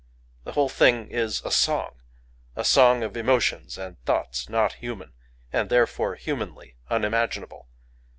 The whole thing is a song,—a song of emotions and thoughts not human, and therefore humanly unimaginable.